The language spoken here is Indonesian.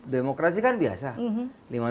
demokrasi kan biasa